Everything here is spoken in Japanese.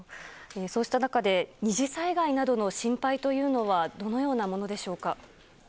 そうした中で、二次災害などの心配というのは、どのようなものでしょうか。